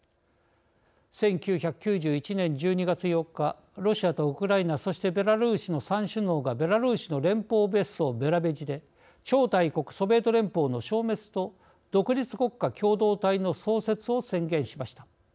１９９１年１２月８日ロシアとウクライナそしてベラルーシの３首脳がベラルーシの連邦別荘ベラヴェジで超大国ソビエト連邦の消滅と独立国家共同体の創設を宣言しました。